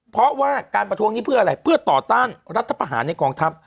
เพราะว่าการประท้วงนี้เพื่ออะไรเพื่อต่อต้านรัฐประหารในกองทัพ